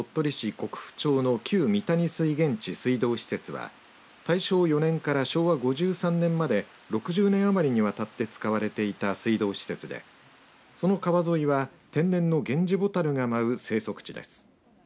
国府町の旧美歎水源地水道施設は大正４年から昭和５３年まで６０年余りにわたって使われていた水道施設でその川沿いは天然のゲンジボタルが舞う生息地です。